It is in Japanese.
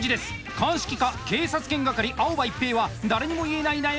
鑑識課警察犬係青葉一平は誰にも言えない悩みを抱えていました。